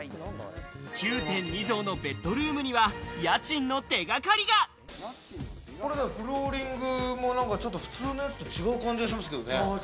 ９．２帖のベッドルームにはフローリングも、ちょっと普通のやつと違う感じがしますけどね。